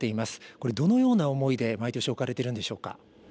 これ、どのような思いで、毎年、置かれているんでしょうか。